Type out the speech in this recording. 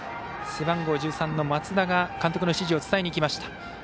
背番号１３の松田が監督の指示を伝えに行きました。